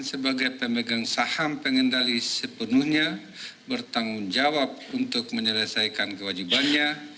sebagai pemegang saham pengendali sepenuhnya bertanggung jawab untuk menyelesaikan kewajibannya